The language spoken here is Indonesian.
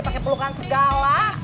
pake pelukan segala